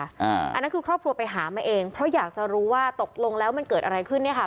อันนั้นคือครอบครัวไปหามาเองเพราะอยากจะรู้ว่าตกลงแล้วมันเกิดอะไรขึ้นเนี่ยค่ะ